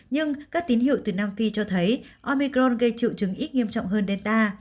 nhưng các tín hiệu từ nam phi cho thấy omicron gây triệu chứng ít nghiêm trọng hơn delta